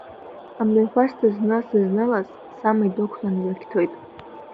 Амҩахәасҭа зны сызнылаз Сама идәықәлан илакьҭоит.